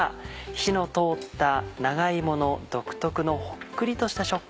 火の通った長芋の独特のほっくりとした食感